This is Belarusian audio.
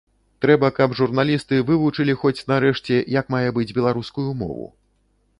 Трэба, каб журналісты вывучылі хоць, нарэшце, як мае быць беларускую мову.